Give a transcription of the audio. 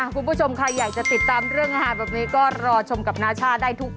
คุณผู้ชมใครอยากจะติดตามเรื่องอาหารแบบนี้ก็รอชมกับนาชาติได้ทุกวัน